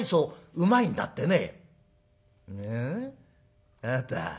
『うまいんだってね』？